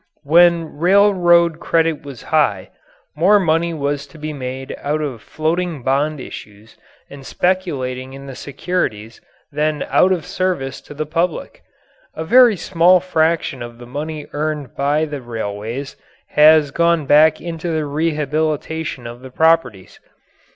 When railroad credit was high, more money was to be made out of floating bond issues and speculating in the securities than out of service to the public. A very small fraction of the money earned by the railways has gone back into the rehabilitation of the properties.